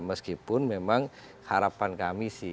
meskipun memang harapan kami sih